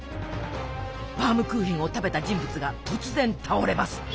バームクーヘンを食べた人物が突然倒れます。